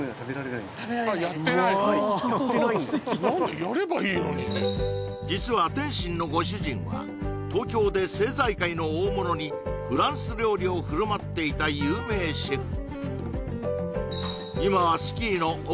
なんでやればいいのに実は天心のご主人は東京で政財界の大物にフランス料理を振る舞っていた有名シェフ